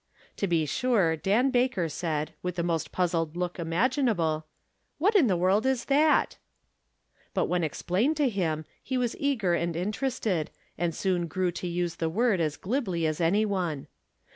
To be sure Dan Baker said, with the most puzzled look imaginable :" What in the world is that ?" But, when explained to him, he was eager and interested, and soon grew to use the word as glibly as any one.